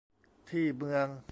ที่เมือง